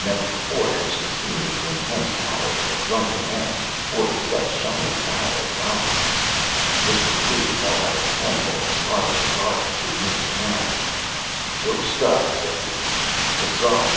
Never before had she seen this intense pallor in a drunken man, or such shining, dilated eyes. Mr. Coombes held out a handful of scarlet agaric to Mr. Clarence. "Jo' stuff," said he; "ta' some."